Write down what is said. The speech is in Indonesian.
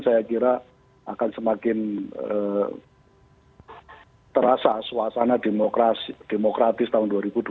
saya kira akan semakin terasa suasana demokratis tahun dua ribu dua puluh